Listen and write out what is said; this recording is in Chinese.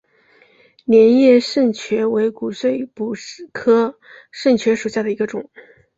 镰叶肾蕨为骨碎补科肾蕨属下的一个种。